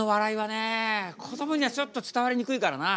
こどもにはちょっと伝わりにくいからな。